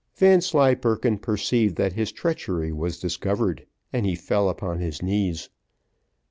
Vanslyperken perceived that his treachery was discovered, and he fell upon his knees.